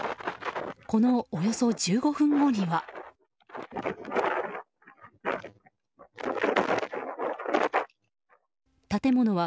このおよそ１５分後には。